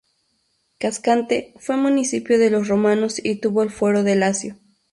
Cascante fue municipio de los romanos y tuvo el Fuero del Lacio.